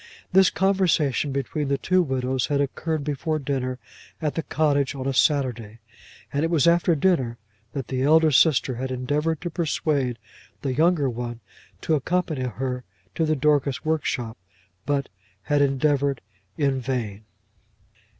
This conversation between the two widows had occurred before dinner at the cottage on a Saturday; and it was after dinner that the elder sister had endeavoured to persuade the younger one to accompany her to the Dorcas workshop; but had endeavoured in vain.